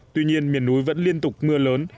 tuy nhiên miền núi vẫn liên tục mưa lớn